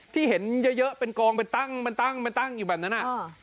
ที่เห็นเยอะเป็นกองเป็นตั้งอยู่แบบนั้น